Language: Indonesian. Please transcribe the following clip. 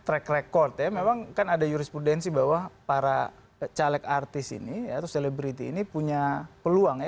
track record ya memang kan ada jurisprudensi bahwa para caleg artis ini atau selebriti ini punya peluang ya